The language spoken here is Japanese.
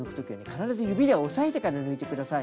必ず指で押さえてから抜いて下さい。